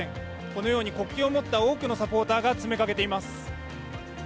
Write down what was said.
このように国旗を持った多くのサポーターが詰めかけています。